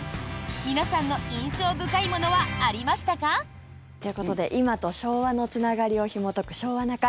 皆さんの印象深いものはありましたか？ということで今と昭和のつながりをひもとく「昭和な会」。